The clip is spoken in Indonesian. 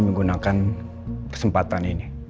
menggunakan kesempatan ini